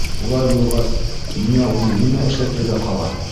Улай булғас, миңә уны нимә эшләтергә ҡала?